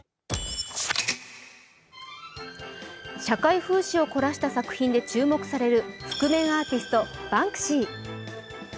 社会風刺を凝らした作品で注目される覆面アーティスト・バンクシー。